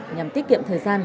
nhằm tiết kiệm thời gian